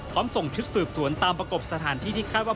พร้อมส่งทฤษศูนย์สวนตามประกบสถานที่ที่คาดว่า